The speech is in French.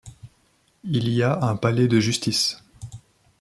Il y a un palais de justice.